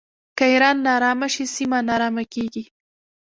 که ایران ناارامه شي سیمه ناارامه کیږي.